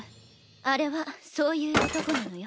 あれはそういう男なのよ。